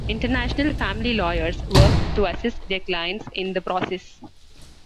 International family lawyers work to assist their clients in that process.